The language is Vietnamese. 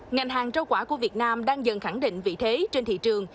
ngành hàng trâu quả của việt nam đang dần khẳng định vị thế trên thị trường